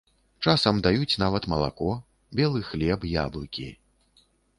Часам даюць нават малако, белы хлеб, яблыкі.